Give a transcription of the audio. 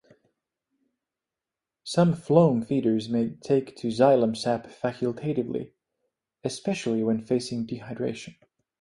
Some phloem feeders may take to xylem sap facultatively, especially when facing dehydration.